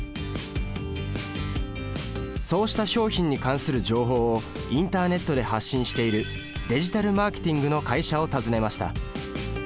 そうした商品に関する情報をインターネットで発信しているデジタルマーケティングの会社を訪ねました。